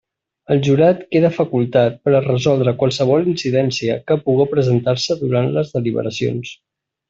El jurat queda facultat per a resoldre qualsevol incidència que puga presentar-se durant les deliberacions.